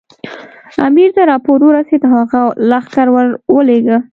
امیر ته راپور ورسېد او هغه لښکر ورولېږه.